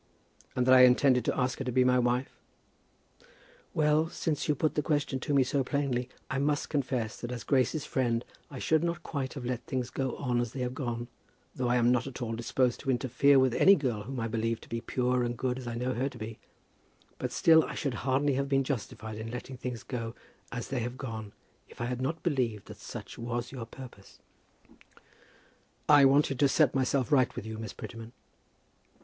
"And that I intended to ask her to be my wife?" "Well; since you put the question to me so plainly, I must confess that as Grace's friend I should not quite have let things go on as they have gone, though I am not at all disposed to interfere with any girl whom I believe to be pure and good as I know her to be, but still I should hardly have been justified in letting things go as they have gone, if I had not believed that such was your purpose." "I wanted to set myself right with you, Miss Prettyman."